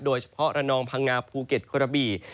โดยเฉพาะรณองพังงาภูเก็ตกระบี